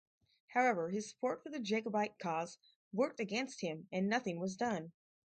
However his support for the Jacobite cause worked against him and nothing was done.